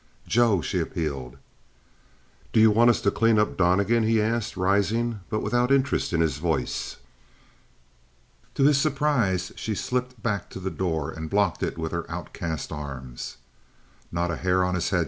"Joe!" she appealed. "You want us to clean up Donnegan?" he asked, rising, but without interest in his voice. To his surprise, she slipped back to the door and blocked it with her outcast arms. "Not a hair of his head!"